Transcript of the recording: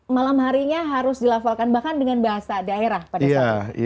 malam harinya harus dilafalkan bahkan dengan bahasa daerah pada saat itu